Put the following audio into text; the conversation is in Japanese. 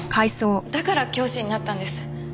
だから教師になったんです。